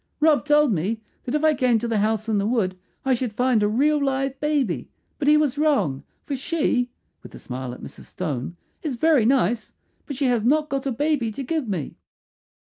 "Rob told me that if I came to the house in the wood I should find a real live baby; but he was wrong, for she," with a smile at Mrs. Stone, "is very nice, but she has not got a baby to give me."